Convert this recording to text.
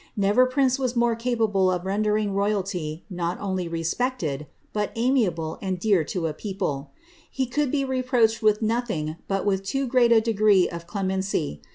Never prince was mote ca])ablc of rendering royally not unly ri'r'prcted, but amiable and dear to i ])cople. He could be reprt»achctl M'ith nothing but with too great a degree of clemency.